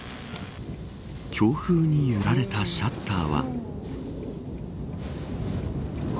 強風に揺られたシャッターは。